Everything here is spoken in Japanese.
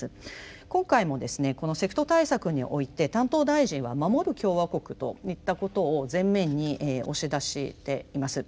今回もですねこのセクト対策において担当大臣は守る共和国といったことを前面に押し出しています。